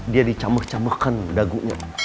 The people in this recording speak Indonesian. dia dicamur camurkan dagunya